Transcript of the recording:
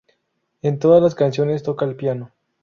En todas las canciones toca el piano.